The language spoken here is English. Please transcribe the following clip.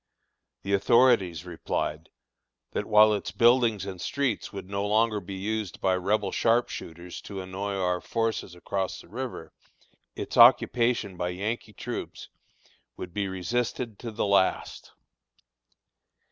The authorities replied, that while its buildings and streets would no longer be used by Rebel sharp shooters to annoy our forces across the river, its occupation by Yankee troops would be resisted to the last.